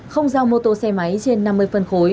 không giao mô tô xe máy trên năm mươi phân khối